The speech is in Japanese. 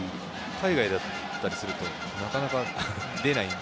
海外だったりするとなかなか出ない。